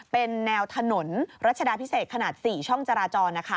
เป็นแนวถนนรัชดาพิเศษขนาด๔ช่องจราจรนะคะ